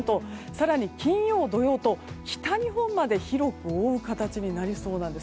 更に金曜、土曜と北日本まで広く覆う形になりそうなんです。